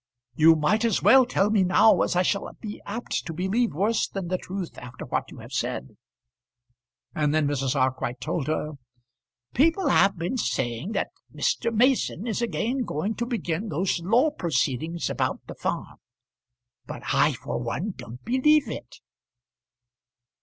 "You might as well tell me now, as I shall be apt to believe worse than the truth after what you have said." And then Mrs. Arkwright told her. "People have been saying that Mr. Mason is again going to begin those law proceedings about the farm; but I for one don't believe it."